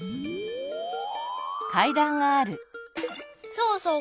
そうそう。